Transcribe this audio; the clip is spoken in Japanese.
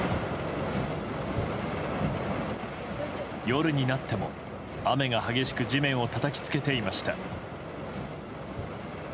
夜になっても雨が激しく地面をたたきつけていました。